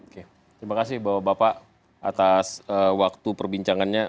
terima kasih bapak atas waktu perbincangannya